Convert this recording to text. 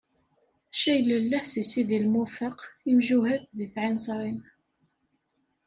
Caylellah s Sidi Lmufeq, imjuhad deg Tɛinsrin.